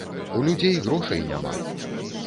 У людзей грошай няма!